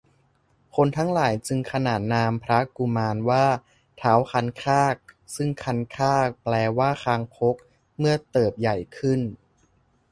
คนทั้งหลายจึงขนานนามพระกุมารว่า ท้าวคันคาก ซึ่งคันคาก แปลว่าคางคก เมื่อเติบใหญ่ขึ้น